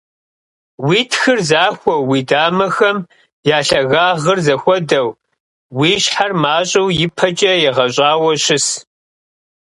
Уи тхыр захуэу, уи дамэхэм я лъагагъыр зэхуэдэу, уи щхьэр мащӀэу ипэкӀэ егъэщӀауэ щыс.